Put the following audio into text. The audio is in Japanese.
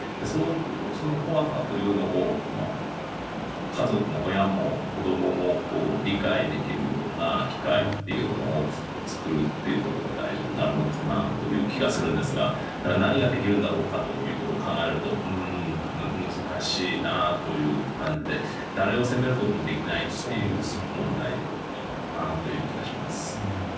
その怖さというのを家族も親も子供も理解できるような機会というのを作るということが大事になるのかなという気がするんですが何ができるんだろうかということを考えると、難しいなという感じで誰を責めることもできないっていう問題だなと気がします。